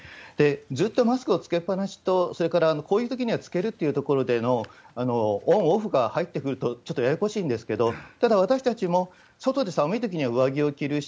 ずっとマスクを着けっぱなしと、それからこういうときには着けるっていうところでの、オン、オフが入ってくると、ちょっとややこしいんですけれども、ただ、私たちも、外で寒いときには上着を着るし、